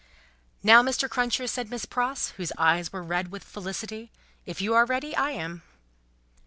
"Now, Mr. Cruncher," said Miss Pross, whose eyes were red with felicity; "if you are ready, I am."